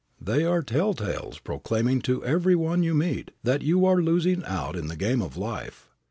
They are telltales, proclaiming to every one you meet that you are losing out in the game of life.